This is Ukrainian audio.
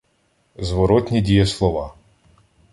Зворотні дієслова